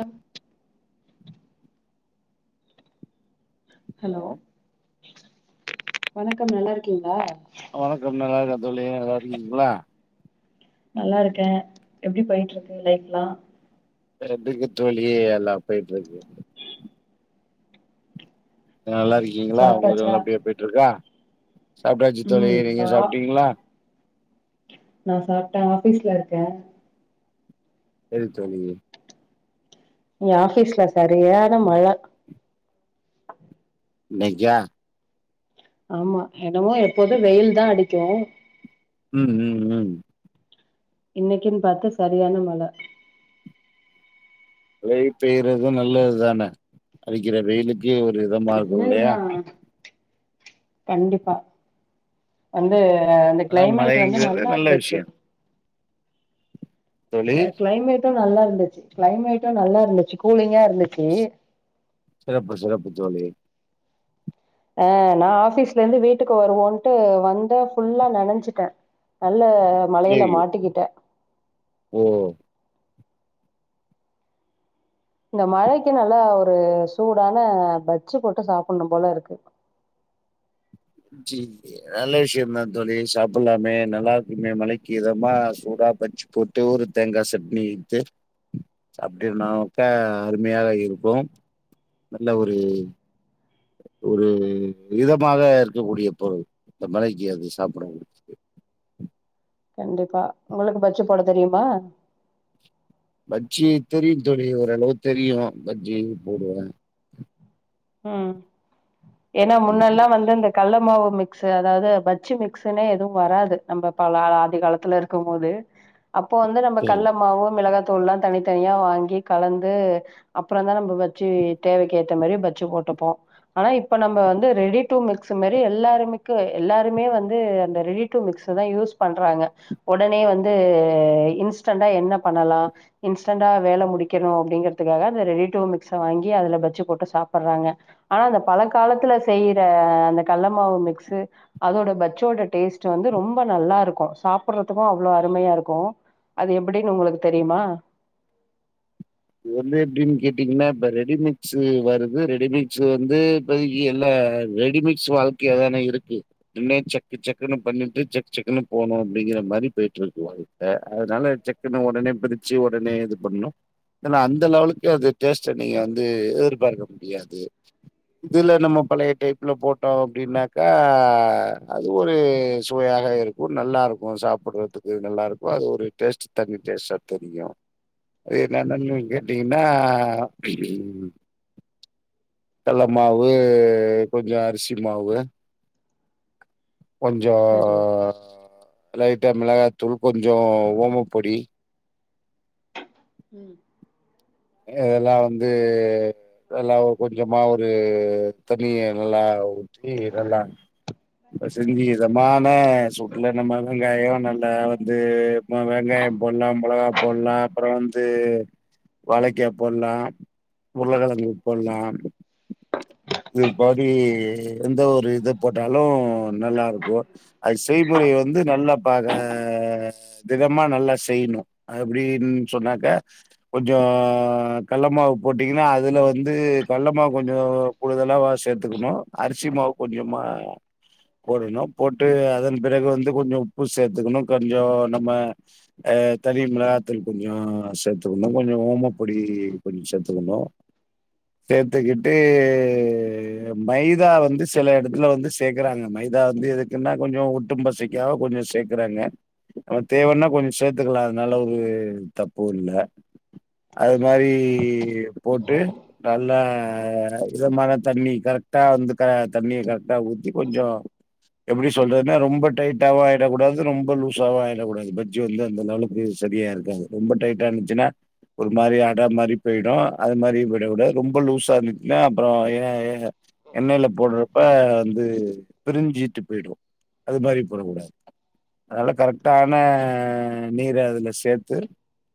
ஆ hello வணக்கம் நல்லா இருக்கீங்களா வணக்கம் நல்லா இருக்க தோழி நல்லா இருக்கீங்களா நல்லாருக்கே எப்டி போயிட்ருக்கு லைஃப்லா வேற எப்டிருக்கு தோழி எல்லா போயிட்ருக்கு நல்லா இருக்கீங்களா உங்களுக்கு சாப்ட்டாச்சா நல்லபடியா போயிட்ருக்கா சாப்ட்டாச்சு தோழி ம் நீங்க நா சாப்ட்டீங்களா நா சாப்ட்ட ஆஃபீஸ்ல இருக்க செரி தோழி இங்க ஆஃபீஸ்ல சரியான மழ இன்னைக்கா ஆமா என்னமோ எப்போது வெயில்தா அடிக்கும் ம் ம் ம் இன்னைக்கின்னு பாத்து சரியான மழ வெயில் பெய்றதும் நல்லதுதான அடிக்கிற வெயிலுக் இது ஒரு இதமா இருக்கும் நல்லதுதா இல்லையா கண்டிப்பா வந்து ஆ அந்த அதா கிளைமேட் வந்து மழைங்கிறது நல்லா நல்ல இருந்துச்சு விஷயோ தோழி ஆ கிளைமேட்டு நல்லா இருந்துச்சு கிளைமேட்டு நல்லா இருந்துச்சு கூலிங்கா இரு சிறப்பு சிறப்பு தோழி ஆ நா ஆஃபீஸ்லேருந்து வீட்டுக்கு வருவோன்ட்டு வந்த ஃபுல்லா நனஞ்சிட்ட ந நல்ல மழையில ஐயோ மாட்டிக்கிட்ட ஓ இந்த மழைக்கு நல்லா ஒரு சூடான பஜ்ஜி போட்டு சாப்புட்ணும் போல இருக்கு [inaudible] ஜி நல்ல விஷியம்தா தோழி சாப்புட்லாமே நல்லாருக்குமே மழைக்கு இதமா சூடா பஜ்ஜி போட்டு ஒரு தேங்கா சட்னி இத்து சாப்ட்டீர்னாக்க அருமையாக இருக்கும் நல்ல ஒரு ஒரு இதமாக இருக்கக்கூடிய பொருள் இந்த மழைக்கி அது சாப்புடறது [inaudible] கண்டிப்பா உங்களுக்கு பஜ்ஜி போடத் தெரியுமா பஜ்ஜியை தெரியு தோழி ஓரளவு தெரியு பஜ்ஜிய போடுவ ம் ஏன்னா முன்னெல்லா ம் வந்து இந்த கல்லமாவு மிக்ஸு அதாவது பஜ்ஜி மிக்ஸுன்னே எதுவு வராது நம்ப பல ஆதி காலத்துல இருக்கும் போது அப்போ வந்து நம்ம கல்லமாவு மிளகாத் தூள்லா தனித்தனியா வாங்கி கலந்து அப்புறந்தா நம்ப பஜ்ஜி தேவைக்கேத்த மாரி பஜ் ஜி போட்டுப்போ ஆனா இப்ப நம்ப வந்து ரெடி டூ மிக்ஸ் மாரி எல்லாருமிக்கு எல்லாருமே வந்து அந்த ரெடி டு மிக்ஸதா யூஸ் பண்றாங்க ஒடனே வந்து இன்ஸ்டன்டா என்ன பண்ணலா ஆ இன்ஸ்டன்டா வேல முடிக்கணு அப்டிங்கிறதுக்காக இந்த ரெடி டூ மிக்ஸ வாங்கி அதுல பஜ்ஜி போட்டு சாப் புறாங்க ஆனா அந்த பழங்காலத்துல செய்ற அந்த கல்ல மாவு மிக்ஸு அதோட பஜ்ஜோ டேஸ்ட் வந்து ரொம்ப நல்லா இருக்கு சாப்டறதுக்கு அவ்ளோ அருமையா இருக்கு அது எப்டின்னு உங்களுக்கு தெரியுமா இது வந்து எப்டின்னு கேட்டீங்ன்னா இப்ப ரெடிமிக்ஸ் வருது ரெடிமிக்ஸ் வந்து இப்பதக்கி எல்லா ரெடிமிக்ஸ் வாழ்க்கையாதான இருக்கு என்ன சக்கு சக்குன்னு பண்ணிட்டு சக் செக்ன்னு போனு அப்டிங்கற மாறி போயிட்டு இருக்கு வாழ்க்க அதனால செக்குன்ன ஒடனே பிரிச்சு ஒடனே இது பண்ணணு ஏன்னா அந்த லெவலுக்கு அது டேஸ்ட் நீங்க வந்து எதிர்பார்க்க முடியாது இதுல நம்ம பழைய டைப்ல போட்டோ அப்டின்னாக்கா அது ஒரு சுவ யாக இருக்கு நல்லா இருக்கு சாப்புடுறதுக்கு நல்லா இருக்கு அது ஒரு டேஸ்ட் தனி டேஸ்ட்டா தெரியு அது என்னனு நீங்க கேட்டீங்கன்னா கல்ல மாவு கொஞ்சோ அரிசி மாவு கொஞ்சோ சரி லைட்டா மிளகாத்தூள் கொஞ்சோ ஓமப்பொடி உம் இதெல்லா வந்து எல்லா ஒரு கொஞ்சமா ஒரு தனியா நல்லா ற்றி இதெல்லா செஞ்சு இதமான சூட்டுல நம்ம வெங்காயோ நல்லா வந்து வெங்கா காய போட்லா மொளகா போட்லா அப்பறோ வந்து வாழெக்கா போட்லா உருளக்கெழங்கு போட்லா இது படி எந்த ஒரு இது போட்டாலு நல்லா இருக்கு அது செய்முறை வந்து நல்லா ப திடமா நல்லா செய்ணு அது எப்டின்னு சொன்னாக்க கொஞ்சோ கல்ல மாவு போட்டிங்ன்னா அதுல வந்து கல்ல மாவு கொஞ்சோ கூடுதலாவ சேத்துக்கணு அரிசி மாவு கொஞ்சமா போடணு போட்டு அதன் பிறகு வந்து கொஞ்சோ உப்பு சேத்துக்கணு கொஞ்சோ நம்ம தனி மிளகாதூள் கொஞ்சோ சேத்துக்கணு கொஞ்சோ ஓமப்பொடி கொஞ்சோ சேத்துக்கணு சேத்துக்கிட்டு மைதா வந்து சில எடத்துல வந்து சேக்கறாங்க மைதா வந்து எதுக்குன்னா கொஞ்ச ஒட்டு பசைக்காக கொஞ்ச சேக்கறாங்க நம்ம தேவன்னா கொஞ்ச சேர்த்துக்கலா அதனால ஒரு தப்பு இல்ல அது மாரி போட்டு நல்லா இதமான தண்ணி கரெக்டா வந்து தண்ணிய கரெக்டா ஊத்தி கொஞ்சோ எப்டி சொல்றதுனா ரொம்ப டைட்டாவு ஆயிடக்கூடாது ரொம்ப லூஸாவு ஆயிடக்கூடாது பஜ்ஜி வந்து அந்த லெவல்க்கு சரியா இருக்காது ரொம்ப டைட்டா இருந்துச்சுன்னா ஒரு மாரி அட மாரி போயிடு அது மாரி விட விட ரொம்ப லூஸா இருந்துச்சுன்னா அப்றோ ஏ எண்ணெய்ல போட்ற அப்ப வந்து பிரிஞ்சிட்டு போயிடு அது மாரி போடகூடாது அதனால கரெக்டான நீர அதுல சேத்து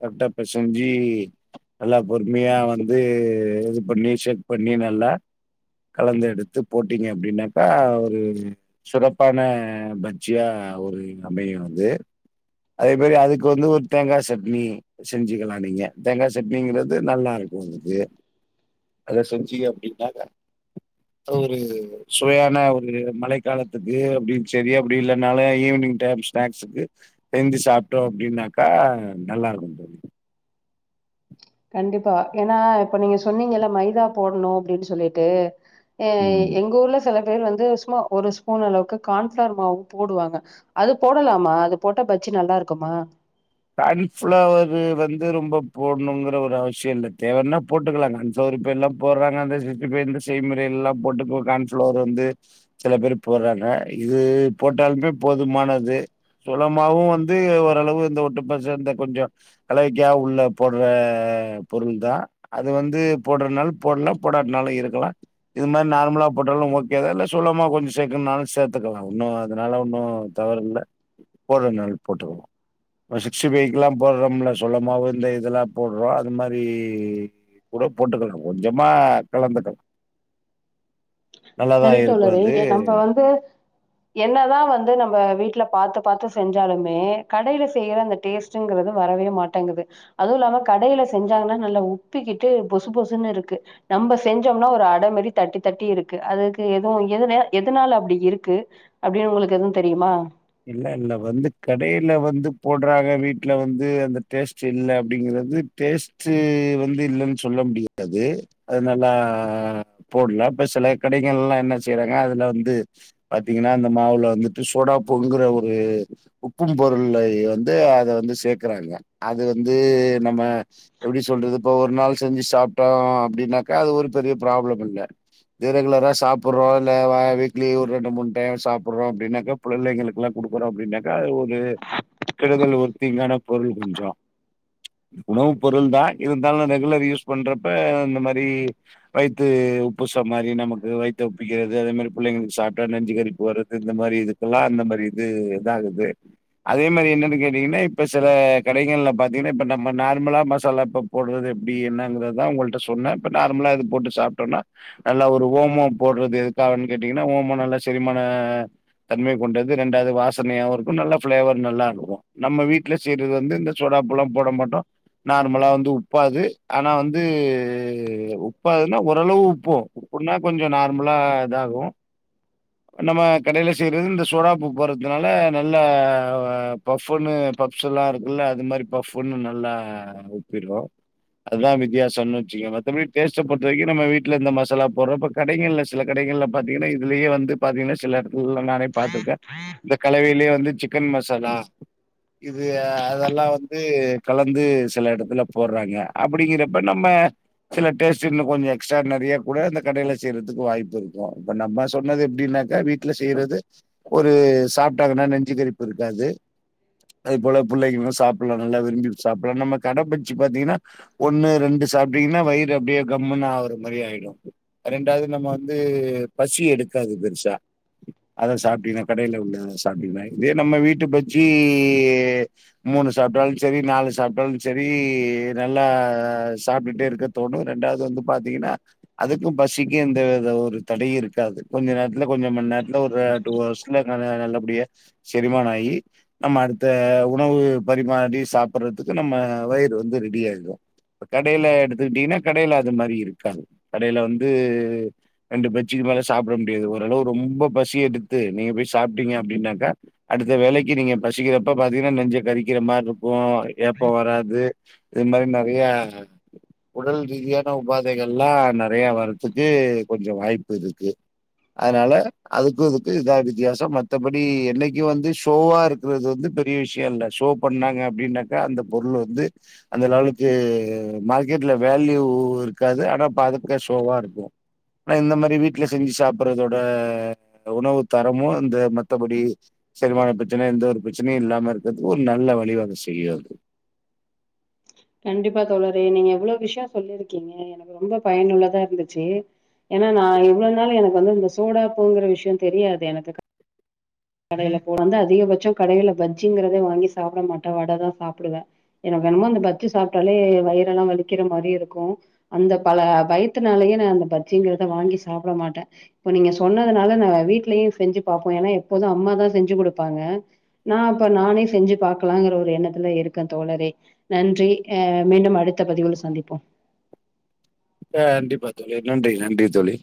கரெக்டா பெசஞ்சு நல்லா பொறுமையா வந்து இது பண்ணி செக் பண் நீ நல்லா கலந்து எடுத்து போட்டீங்க அப்டின்னாக்கா ஒரு சிறப்பான பஜ்ஜியா ஒரு அமையு அது அதே மாரி அதுக்கு வந்து ஒரு தேங்கா சட்னி செஞ்சுக்கலா நீங்க தேங்கா சட்னிங்றது நல்லா [unintelligible] அத செஞ்சிய அப்டின்னாக்க அது ஒரு சுவையான ஒரு மழை ஒரு காலத்துக்கு அப்டின்னு சரி அப்டி இல்லைனாலு ஈவினி டைம் ஸ்னாக்ஸுக்கு செஞ்சி சாப்ட்டோ அப்டின்னாக்கா நல்லா இருக்கு தோழி கண்டிப்பா ஏன்னா இப்ப நீங்க சொன்னீங்கல்ல மைதா போடணு அப்டின்னு சொல்லிட்டு அஹ் ம் எங்க ஊர்ல செல பேர் வந்து சும்மா ஒரு ஸ்பூன் அளவுக்கு கான்ஃப்ளார் மாவு போடுவாங்க அது போடலாமா அது போட்ட பச் நல்லா இருக்குமா கன்ஃப்ளவர்ரு வந்து ரொம்ப போடணுங்கிற ஒரு அவசியோ இல்ல தேவன்னா போட்டுக்கலா கன்ஃப்ளவ இப்ப எல்லா போடறாங்க அந்த சிக்ஸ்டிஃபை ந்து செய்முறை எல்லா போட்டு கான்ஃப்ளவர் வந்து சில பேர் போடுறா [unintelligible] இது போட்டாலுமே போதுமானது சோலமாவு வந்து ஓரளவு இந்த ஒட்டு ந்த சேந்த கொஞ்சு கலைவிக்கா உள்ள போடுற பொருள் தா அது வந்து போடு ன்னாலு போடலா போடாட்னாலு இருக்கலா இது மார் நார்மலா போட்டாலு ஓகேதா இல்ல சோளமாவ் கொஞ் சேக்குன்னாலு சேத்துக்கலா ஒன்னு அதனால ஒன்னு தவறு இல்ல போட்றத்னாலு போட்டுக்கிலா அ சிக்ஸி ஃபைகில்லா போடுறோம்ல சோளமாவு இந்த இதெல்லா போடுறோ அது மாரி கூட போட்டுக்கலா கொஞ்சமா கலந்துக்கலா செரி தோழரே எ நம்ம வந்து என்னதா வந்து நம்ப வீட்ல பாத்து பாத்து செஞ்சாலுமே கடையில செய்யற அந்த டேஸ்ட்ங்கிறது வரவே மாட்டங்குது அதுவு இல்லாம கடையில செஞ்சாங்கன்னா நல்லா உப்பிக்கிட்டு பொசு பொசுன்னிருக்கு நம்ப செஞ்சோம்னா ஒரு அட மாரி தட்டி தட்டி இருக் கு அதுக்கு எதுவு எதுனே எதனால அப்டி இருக்கு அப்டின் உங்குளுக்கு எதுவு தெரியுமா இல்ல இல்ல வந்து கடையில வந்து போடுறாங்க வீட்ல வந்து அந்த டேஸ்ட் இல்ல அப்டிங் கற்து டேஸ்டு வந்து இல்ன்னு சொல்ல முடியாது அது நல்லா போட் லா இப்ப செல கடைகங்கெல்வா என்ன செய்யறாங்க அதுல வந்து பாத்தீங்கன்னா அந்த மாவுல வந்துட்டு சோடா உப்புங்குற ஒரு உப்பும் பொருளை வந்து அத வந்து சேக்குறாங்க அது வந்து எ நம்ப எப்டி சொல்றது இப்ப ஒரு நாள் செஞ்சு சாப்ட்டோ அப்டின்னாக்கா அது ஒரு பெரிய ப்ராப்ளம் இல்ல இதே ரெகுலரா சாப்புற்றோ இல்ல வ வீக்லி ஒரு ரெண்டு மூண் டைம் சாப்புற்றோ அப்டின்னாக்கா பிள்ளைங்களுக்குல்லா குடுக்குறோ அப்டின்னாக்கா அது ஒரு கெடுதல் ஒரு தீங்கான பொருள் கொஞ்சோ உணவு பொருள் தா இருந்தாலு ரெகுலர் யூஸ் பண்றப்ப இந்த மாரி வய்த்து உப்புச மாரி நமக்கு வய்த்த உப்பிக்கிறது அதே மாரி புள்ளைங்களுக் சாப்டா நெஞ்சு கரிப்பு வரற்து இந்த மாரி இ தெல்லா அந்த மாரி இது இதாகுது அதே மாரி என்னன்டு கேட்டீங்கன்னா இப்ப சில கடைங்கள்ல பாத்தீங்ன்னா இப்ப நம்ம நார்மலா மசாலா இப்ப போட்றது எப்டி என்னாங்கிறதா உங்கள்ட்ட சொன்ன நார்மலா இது போட்டு சாப்ட்டோனா நல்லா ஒரு ஓமோ போட்றது எத்காகன்னு கேட்டீங்கன்னா ஓமோ நல்லா செரிமான தன்மை கொண்டது ரெண்டாவ்து வாசனையாவு இருக்கு நல்லா ஃப்ளேவர் நல்லா இருக்கு நம்ம வீட்ல செய்றது வந்து இந்த சோடா உப்பெல்லா போட மாட்டோ நார்மலா வந்து உப்பாது ஆனா வந்து உப்பாதுன்னா ஓரளவு உப்பு புட்னா கொஞ்சோ நார்மலா இதாகு நம்ம கடைல சில பேர் இந்த சோடா உப்பு போட்றதுனால நல்ல பஃபுன்னு பப்ஸெல்லா இருக்குல்ல அது மா பஃப்புன்னு நல்லா உப்பிரு அத்தா வித்யாசோன் வச்சுங்க மத்தபடி டேஸ்ட்ட பொறுத்த வரிக்கு நம்ம வீட்ல இந்த மசாலா போட்றோ இப்ப கடைங்கெல்ல சில கடை ங்கெல்ல பாத்தீங்கன்னா இதுலியே வந்து பாத்தீங்ன்னா சில எடத் துல்ல நானே பாத்துருக்கே இந்த கலவைலே வந்து சிக்கன் மசாலா இது அதெல்லா வந்து கலந்து சில எடத்துல போடுறாங்க அப்படிங்கிறப்ப நம்ம சில டேஸ்ட் இன்னு கொஞ்சோ எக்ஸ்ட்ரா நெறிய கூட அந்த கடையில செய்யற்துக்கு வாய்ப்பிருக்கு இப்ப நம்ம சொன்னது எப்டின்னாக்கா வீட் த செய்யுறது ஒரு சாப்ட்டாங்கனா நெஞ்சு கரிப்பிருக்காது அது போல புள்ளைகிளு சாப்பில்லா நல்லா விரும்பி சாப்பில்லா நம்ம கட பஜ்ஜி பாத்தீங்கனா ஒண்ணு ரெண்டு சாப்டிங்கினா வயிறு அப்டே கம்முனு ஆவுற மாரி ஆய்டு ரெண்டாவது நம்ம வந்து பசி எடு க்காது பெருசா அதாவ்து சாப்ட்டீங்ன கடைல உள்ளத சாப்ட்டீங்கனா இதே நம்ம வீட்டு பஜ்ஜி மூணு சாப் ட்டாலு செரி நாலு சாப்ட்டாலு செரி நல்லா சாப்டுட்டே இருக்க தோணு ரெண்டாவ்து வந்து பா த்தீங்கன்னா அதுக்கு பசிக்கு எந்த த ஒரு தடையுருக்காது கொஞ்ச நேர்த்துல கொஞ்ச மண் நேர் த்துல ஒரு டூ அவ்ர்ஸ்ல ந ந நல்லபடியா செரிமானாயி நம்ம அடுத்த உணவு பரிமாறி சாப்பிறதுக்கு நம்ம வயி று வந்து ரெடி ஆயிடு இப்ப கடையில எடுத்துக்கிட்டீங்கனா கடையில அது மாரி இருக்காது கடையில வந்து ரெண்டு பஜ்ஜி மேல சாப்புட முடியாது ஓரளவு ரொம்போ பசி எடுத்து நீங்க போய் சாப்ட்டீங்க அப்டினாக்கா அடுத்த வேலைக்கு நீங்க பசிக்கிறப்ப பாத்தீங்ன நெஞ்ச கறிக் கிறமாருக்கு ஏப்போ வராது இது மாரி நெறிய உடல் ரீதியான உபாதைகள்லா நெறைய வரத்துக்கு கொஞ்சோ வாய்ப்பிருக்கு அதனால அதுக்கு அதுக்கு இதா வித்தியாசம் மத்தபடி என்னைக்கும் வந்து ஷோவா இருக்கறது வந்து பெரிய விஷ்ய இல்ல ஷோ பண்ணாங்க அப்டின்னாக்க அந்த பொருளு வந்து அந்த லெவலுக்கு மார்கெட்ல வேல்யூ இருக்காது ஆனா பாதுக்க ஷோவா இருக்கும் ஆனா இந்த மாரி வீட்ல செஞ்சு சாப்புறதோட உணவுத்தரமு இந்த மத்தபடி செரிமான பிரச்சன எந்தவொரு பிரச்சனையு இல்லாம இருக்கறது ஒரு ந ல்ல வழி க்ஷவக செய்யு அது கண்டிப்பா தோழரே நீங்க எவ்வளோ விஷ்ய சொல்லிருக்கீங்க எனக்கு ரொம்ப பயனுள்ளதா இருந்துச்சு ஏன்னா நா இவ்ளோ நாளு எனக்கு வந்து இந்த சோடாப்புங்கிற விஷ்ய தெரியாது எனக்கு கடையில போறது அதிகபட்ச கடையில பஜ்ஜிங்கிறதே வாங்கி சாப்டமாட்ட வடதா சாப்புடுவ எனக்கு என்னமோ அந்த பஜ்ஜி சாப்ட்டாலே வயிறெல்லா வலிக்கிற மாரி இருக்கும் அந்த பல பயத்துனால யே நா அந்த பஜ்ஜிங்கிறத வாங்கி சாப்புடமாட்ட இப்ப நீங்க சொன்னதுனால நா வீட்டலயு செஞ்சு பாப்போம் ஏனா எப் போது அம்மாதா செஞ்சு குடுப்பாங்க நா அப்ப நானே செஞ்சு பாகக்கலாங்கிற ஒரு எண்ணத்துல இருக்க தோழரே நன்றி ஆ மீண்டும் அடுத்த பதிவுல சந்திப்போ ஆ கண்டிப்பா தோழி நன்றி நன்றி தோழி